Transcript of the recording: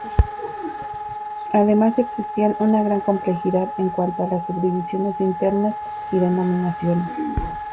Además existía una gran complejidad en cuanto a las subdivisiones internas y denominaciones.